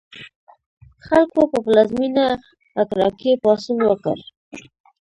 خلکو په پلازمېنه اکرا کې پاڅون وکړ.